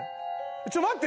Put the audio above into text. ちょっ待って！